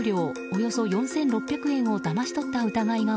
およそ４６００円をだまし取った疑いが